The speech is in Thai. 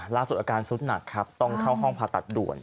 ล่าสุดอาการสุดหนักครับต้องเข้าห้องผ่าตัดด่วน